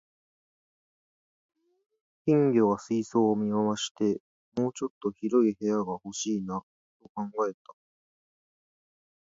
金魚が水槽を見回して、「もうちょっと広い部屋が欲しいな」と考えた